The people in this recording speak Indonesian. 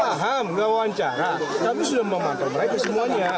paham nggak mewawancara tapi sudah memantau mereka semuanya